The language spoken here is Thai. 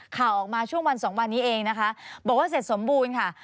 ข่าวออกมาช่วงวันสองวันนี้เองนะคะบอกว่าเสร็จสมบูรณ์ค่ะ